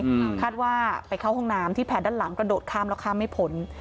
อืมคาดว่าไปเข้าห้องน้ำที่แผนด้านหลังกระโดดข้ามแล้วข้ามไม่พ้น